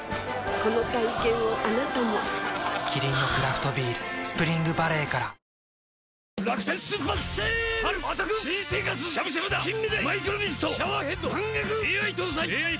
この体験をあなたもキリンのクラフトビール「スプリングバレー」から・すいません。